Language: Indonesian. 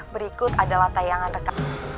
berikut adalah tayangan rekaman